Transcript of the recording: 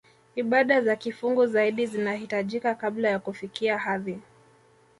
Ibada za kifungu zaidi zinahitajika kabla ya kufikia hadhi